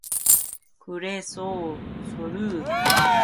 그래서 서로 돌아보며 입을 쩍쩍 벌렸다.